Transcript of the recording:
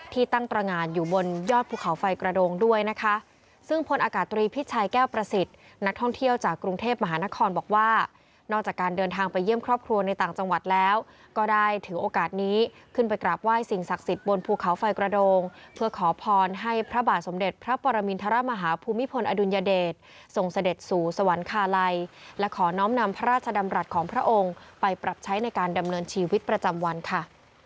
ที่ตั้งตรงานอยู่บนยอดภูเขาไฟกระโดงด้วยนะคะซึ่งพลอากาศตรีพิชชัยแก้วประสิทธิ์นักท่องเที่ยวจากกรุงเทพมหานครบอกว่านอกจากการเดินทางไปเยี่ยมครอบครัวในต่างจังหวัดแล้วก็ได้ถือโอกาสนี้ขึ้นไปกราบไหว้สิ่งศักดิ์สิทธิ์บนภูเขาไฟกระโดงเพื่อขอพรให้พระบาทสมเด็จพระปรมินทรมา